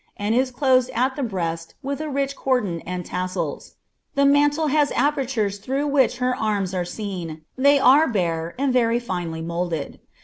and is cloM d at the breast with a rich cordon and tassels. The .:le has apertures through which her arms are seen ; Ibey are bare, ■. iry fiotly moulded.